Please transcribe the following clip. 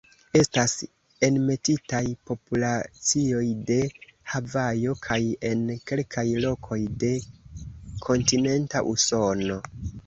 Estas enmetitaj populacioj de Havajo kaj en kelkaj lokoj de kontinenta Usono.